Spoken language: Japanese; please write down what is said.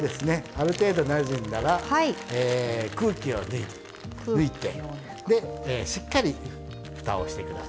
ある程度なじんだら空気を抜いてでしっかりふたをしてください。